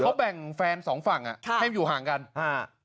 เขาแบ่งแฟนสองฝั่งอ่ะค่ะให้อยู่ห่างกันอ่า